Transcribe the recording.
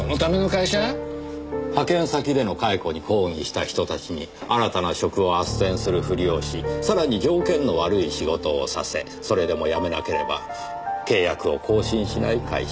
派遣先での解雇に抗議した人たちに新たな職を斡旋するふりをしさらに条件の悪い仕事をさせそれでも辞めなければ契約を更新しない会社。